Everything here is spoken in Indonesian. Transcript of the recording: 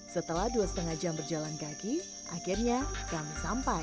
setelah dua lima jam berjalan kaki akhirnya kami sampai